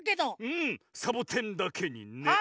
うんサボテンだけにね。